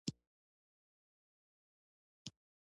او د ځینو لپاره په سترګو کې اغزی دی.